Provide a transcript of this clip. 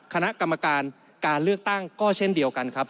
คณะกรรมการการเลือกตั้งก็เช่นเดียวกันครับ